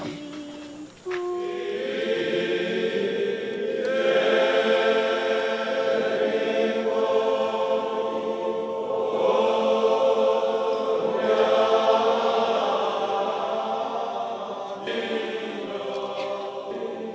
lalu berikan kisah kisah yang dioneyakan